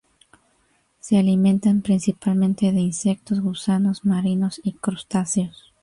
Se alimentan principalmente de insectos, gusanos marinos y crustáceos.